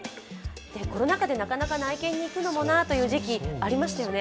コロナ禍でなかなか内見に行くのもなあという時期がありましたよね。